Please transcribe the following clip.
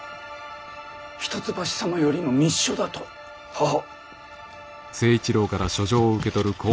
一橋様よりの密書だと？ははっ。